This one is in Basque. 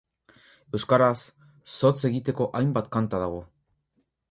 Euskaraz, zotz egiteko hainbat kanta dago.